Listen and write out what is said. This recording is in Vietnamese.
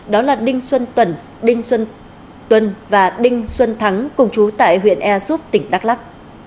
đó là đinh xuân tuần và đinh xuân thắng cùng chú tại huyện ea súp tỉnh đắk lắc